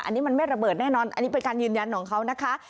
อันนี้มันไม่ระเบิดแน่นอนอันนี้เป็นการยืนยันของเขานะคะ